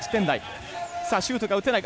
さあシュートが打てない。